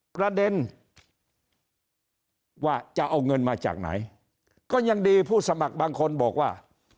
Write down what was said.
ประเด็นว่าจะเอาเงินมาจากไหนก็ยังดีผู้สมัครบางคนบอกว่า